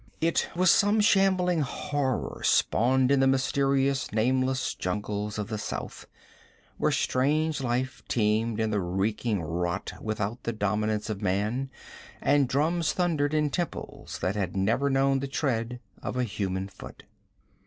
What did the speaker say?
It was some shambling horror spawned in the mysterious, nameless jungles of the south, where strange life teemed in the reeking rot without the dominance of man, and drums thundered in temples that had never known the tread of a human foot.